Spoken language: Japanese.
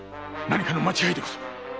何かの間違いでござる。